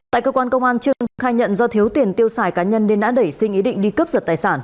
tại cơ quan công an trương khai nhận do thiếu tiền tiêu xài cá nhân nên đã nảy sinh ý định đi cướp giật tài sản